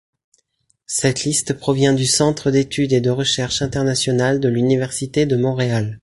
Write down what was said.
Cette liste provient du Centre d'études et de recherches internationales de l'université de Montréal.